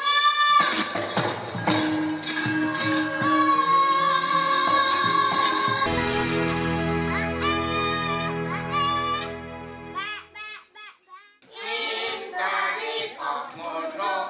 empat belas perang berhasil melewatkan kursi penikotan